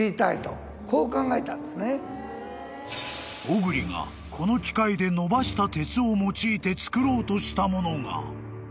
［小栗がこの機械でのばした鉄を用いてつくろうとしたものが］